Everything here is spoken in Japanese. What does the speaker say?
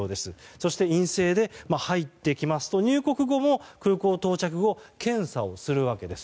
そして陰性で入ってきますと入国後も空港到着後検査をするわけです。